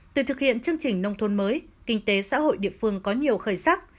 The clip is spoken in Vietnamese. từ thực hiện chương trình nông thôn mới kinh tế xã hội địa phương có nhiều khởi sắc